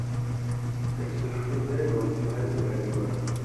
Elle se fondait dans l'ivresse de la gloire.